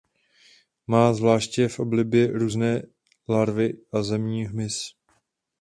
Má zvláště v oblibě různé larvy a zemní hmyz.